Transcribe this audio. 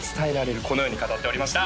このように語っておりました！